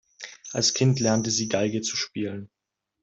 Als Kind lernte sie Geige zu spielen.